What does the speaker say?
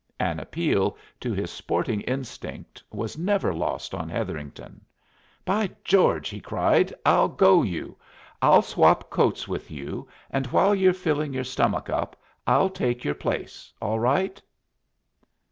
An appeal to his sporting instinct was never lost on Hetherington. "By George!" he cried. "I'll go you. I'll swap coats with you, and while you're filling your stomach up I'll take your place, all right."